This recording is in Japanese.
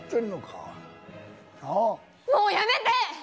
もうやめて！